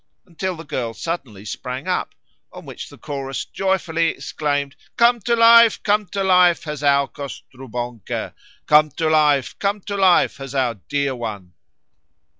until the girl suddenly sprang up, on which the chorus joyfully exclaimed: 'Come to life, come to life has our Kostrubonko! Come to life, come to life has our dear one!'"